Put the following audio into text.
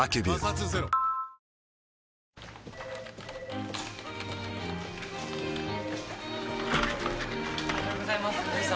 え．．．おはようございますお姫様